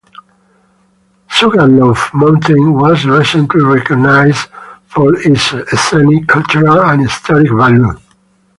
Sugarloaf Mountain was recently recognized for its scenic, cultural, and historic value.